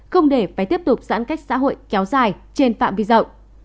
không để phải tiếp tục giãn cách xã hội kéo dài trên phạm vi rộng